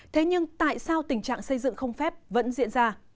thế nhưng tại sao tình trạng xây dựng không phép vẫn diễn ra